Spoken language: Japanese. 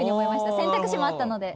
選択肢もあったので。